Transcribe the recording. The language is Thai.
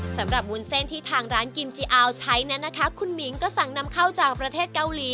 วุ้นเส้นที่ทางร้านกิมจิอาวใช้นั้นนะคะคุณหมิงก็สั่งนำเข้าจากประเทศเกาหลี